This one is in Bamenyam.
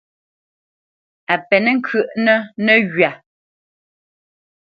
A pénə̄ ŋkyə́ʼnə́ nəghywa.